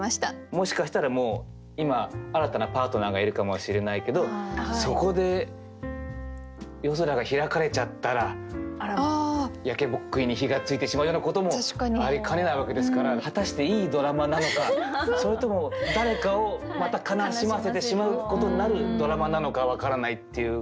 もしかしたらもう今新たなパートナーがいるかもしれないけどそこで夜空が開かれちゃったら焼けぼっくいに火がついてしまうようなこともありかねないわけですから果たしていいドラマなのかそれとも誰かをまた悲しませてしまうことになるドラマなのか分からないっていうのが。